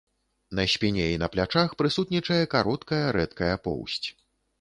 На спіне і на плячах прысутнічае кароткая рэдкая поўсць.